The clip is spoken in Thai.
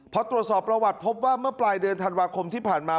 พอตรวจสอบประวัติพบว่าเมื่อปลายเดือนธันวาคมที่ผ่านมา